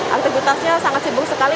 aktivitasnya sangat sibuk sekali